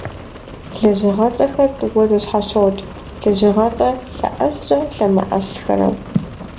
Лэжьыгъэцӏэхэр тӏууэ зэщхьэщокӏ - лэжьыгъэцӏэ лъэӏэсрэ лъэмыӏэсхэрэу.